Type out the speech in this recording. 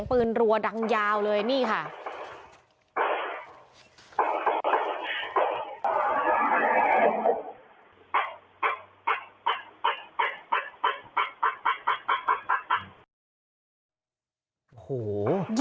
พวกมันต้องกินกันพี่